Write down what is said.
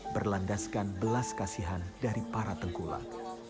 berlandaskan belas kasihan dari para tengkulak